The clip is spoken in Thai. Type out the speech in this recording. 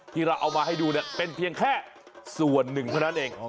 ที่เราเอามาให้ดูเนี่ยเป็นเพียงแค่ส่วนหนึ่งเท่านั้นเอง